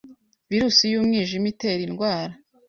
virus y’umwijima itera indwara